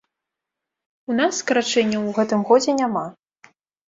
У нас скарачэнняў у гэтым годзе няма.